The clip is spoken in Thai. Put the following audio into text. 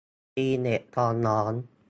ตีเหล็กตอนร้อน